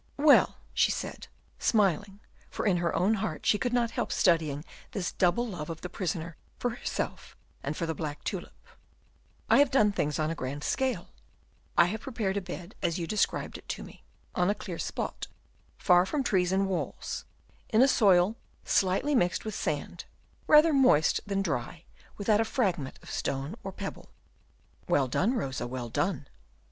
"Well," she said, smiling, for in her own heart she could not help studying this double love of the prisoner for herself and for the black tulip, "I have done things on a large scale; I have prepared a bed as you described it to me, on a clear spot, far from trees and walls, in a soil slightly mixed with sand, rather moist than dry without a fragment of stone or pebble." "Well done, Rosa, well done."